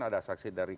ada saksi dari satu